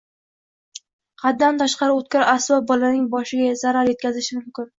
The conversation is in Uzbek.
Haddan tashqari o‘tkir asbob bolaning boshiga aziyat yetkazishi mumkin.